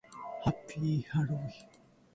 ハッピーハロウィン